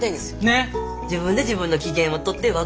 ねっ。